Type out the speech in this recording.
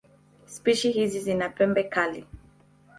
Spishi hizi zina pembe kali.